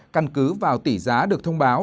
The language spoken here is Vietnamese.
căn cứ vào tỷ giá được thông báo